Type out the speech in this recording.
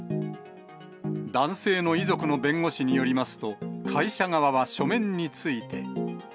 男性の遺族の弁護士によりますと、会社側は書面について。